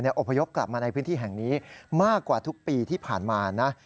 อพยพกลับมาในพื้นที่แห่งนี้มากกว่าทุกปีที่ผ่านมานะ